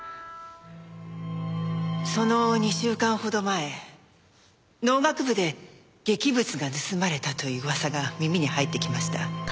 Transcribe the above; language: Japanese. その２週間ほど前農学部で劇物が盗まれたという噂が耳に入ってきました。